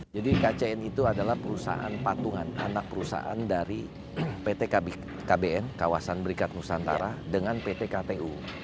jadi kcn itu adalah perusahaan patungan anak perusahaan dari pt kbn kawasan berikat nusantara dengan pt ktu